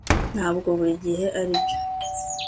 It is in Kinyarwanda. ntabwo buri gihe aribyo